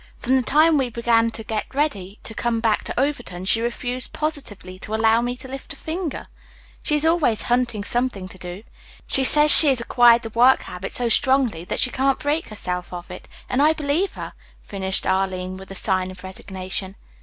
From the time we began to get ready to come back to Overton she refused positively to allow me to lift my finger. She is always hunting something to do. She says she has acquired the work habit so strongly that she can't break herself of it, and I believe her," finished Arline with a sigh of resignation.